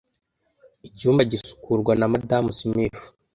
Icyumba gisukurwa na Madamu Smith.